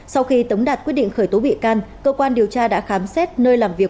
sau khi tống đạt quyết định khởi tố bị can cơ quan điều tra đã khám xét nơi làm việc